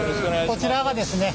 こちらがですね